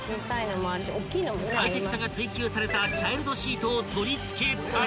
［快適さが追求されたチャイルドシートを取り付けたら］